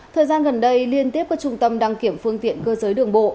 thời gian gần đây liên tiếp các trung tâm đăng kiểm phương tiện cơ giới đường bộ